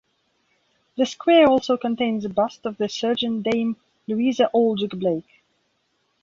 The square also contains a bust of the surgeon Dame Louisa Aldrich-Blake.